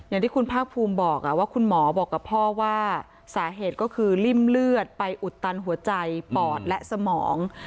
อย่างที่คุณภาคภูมิบอกว่าคุณหมอบอกกับพ่อว่าสาเหตุก็คือริ่มเลือดไปอุดตันหัวใจปอดและสมอง